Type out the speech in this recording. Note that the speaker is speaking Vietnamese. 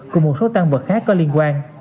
cùng một số tăng vật khác có liên quan